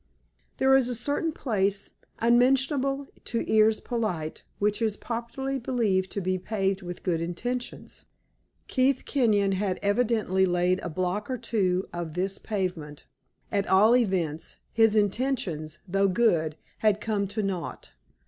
There is a certain place, unmentionable to ears polite, which is popularly believed to be paved with good intentions. Keith Kenyon had evidently laid a block or two of this pavement; at all events, his intentions, though good, had come to naught.